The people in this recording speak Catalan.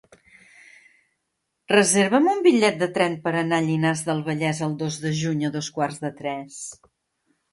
Reserva'm un bitllet de tren per anar a Llinars del Vallès el dos de juny a dos quarts de tres.